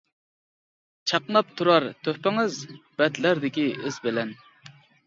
چاقناپ تۇرار تۆھپىڭىز، بەتلەردىكى ئىز بىلەن.